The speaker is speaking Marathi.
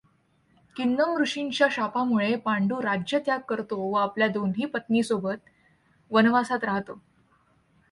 किंदम ऋषींच्या शापामुळे पांडू राज्यत्याग करतो व आपल्या दोन्ही पत्नीसोबत वनवासात रहातो.